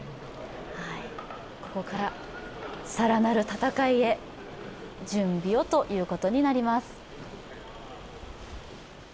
ここから更なる戦いへ準備をということになります。